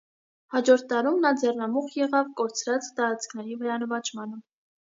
Հաջորդ տարում նա ձեռնամուխ եղավ կորցրած տարածքների վերանվաճմանը։